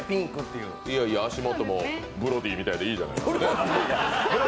いやいや、足元もブロディみたいでいいじゃないですか。